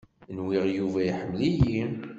Nwiɣ Yuba iḥemmel-iyi.